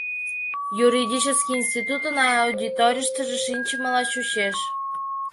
Юридический институтын аудиторийыштыже шинчымыла чучеш.